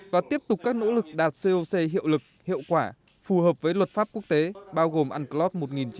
và tiếp tục các nỗ lực đạt coc hiệu lực hiệu quả phù hợp với luật pháp quốc tế bao gồm unclos một nghìn chín trăm tám mươi hai